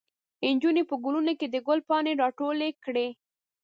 نجونې په ګلونو کې د ګل پاڼې راټولې کړې.